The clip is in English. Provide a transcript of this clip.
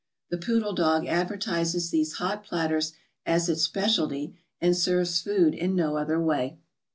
The Ppodle Dog advertises these hot platters as its specialty and serves food in no other way.